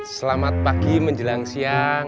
selamat pagi menjelang siang